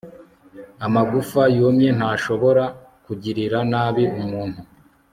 Amagufa yumye ntashobora kugirira nabi umuntu